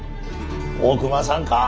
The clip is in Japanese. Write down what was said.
大隈さんか？